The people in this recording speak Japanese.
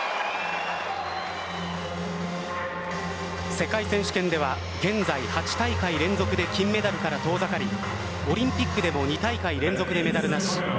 世界選手権では現在８大会連続で金メダルから遠ざかりオリンピックでも２大会連続でメダルなし。